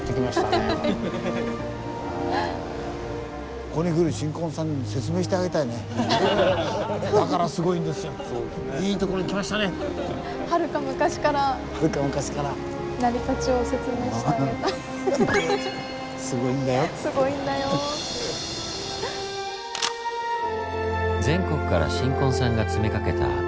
全国から新婚さんが詰めかけた鵜戸神宮。